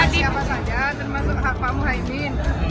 siapa saja termasuk hak pamu haimin